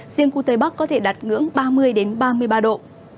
riêng khu tây bắc có thể đặt ngưỡng ba mươi đến ba mươi ba độ